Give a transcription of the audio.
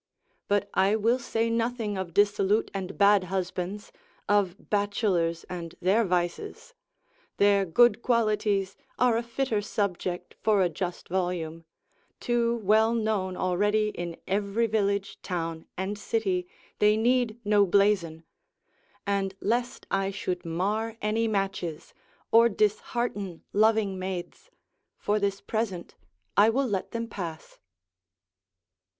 But I will say nothing of dissolute and bad husbands, of bachelors and their vices; their good qualities are a fitter subject for a just volume, too well known already in every village, town and city, they need no blazon; and lest I should mar any matches, or dishearten loving maids, for this present I will let them pass.